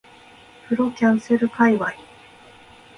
風呂キャンセル界隈